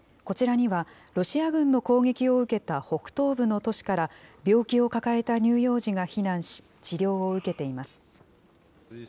こちらには、ロシア軍の攻撃を受けた北東部の都市から、病気を抱えた乳幼児が避難し、治療を受けています。